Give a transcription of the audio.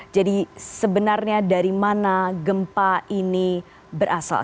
jadi sebenarnya dari mana gempa ini berasal